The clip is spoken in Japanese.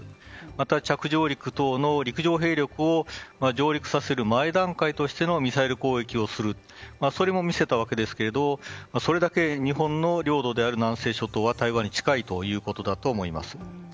また着上陸等の陸上兵力を使う前段階としてのミサイル攻撃をするそれを見せたわけですけどそれだけ日本の領土である南西諸島は台湾に近いということだと思います。